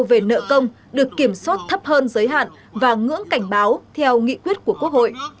về nợ công được kiểm soát thấp hơn giới hạn và ngưỡng cảnh báo theo nghị quyết của quốc hội